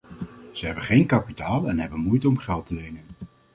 Ze hebben geen kapitaal en hebben moeite om geld te lenen.